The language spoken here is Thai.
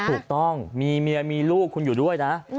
ถูกต้องมีเมียมีลูกคุณอยู่ด้วยนะ